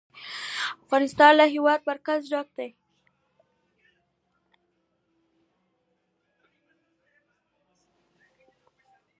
افغانستان له د هېواد مرکز ډک دی.